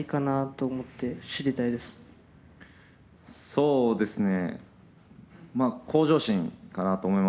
そうですね。